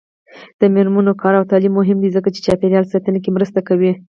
د میرمنو کار او تعلیم مهم دی ځکه چې چاپیریال ساتنه کې مرسته کوي.